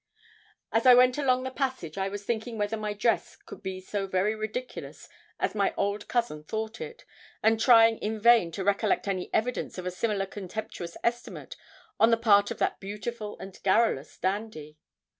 As I went along the passage, I was thinking whether my dress could be so very ridiculous as my old cousin thought it, and trying in vain to recollect any evidence of a similar contemptuous estimate on the part of that beautiful and garrulous dandy.